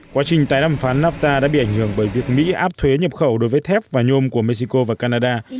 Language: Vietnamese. quá trình tái đàm phán nafta đã bị ảnh hưởng bởi việc mỹ áp thuế nhập khẩu đối với thép và nhôm của mexico và canada